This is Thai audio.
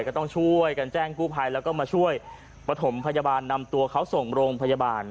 ก็ต้องช่วยกันแจ้งกู้ภัยแล้วก็มาช่วยประถมพยาบาลนำตัวเขาส่งโรงพยาบาล